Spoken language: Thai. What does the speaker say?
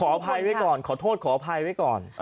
อภัยไว้ก่อนขอโทษขออภัยไว้ก่อน